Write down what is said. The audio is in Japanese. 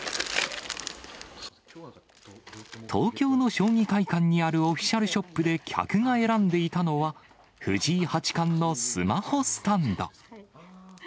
東京の将棋会館にあるオフィシャルショップで客が選んでいたのは、藤井八冠のスマホスタンド。